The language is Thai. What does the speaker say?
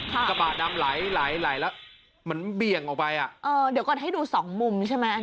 ค่ะกระปะดำไหลไหลแล้วมันเบียงออกไปอ่ะเออเดี๋ยวก่อนให้ดูสองมุมใช่ไหมอันนี้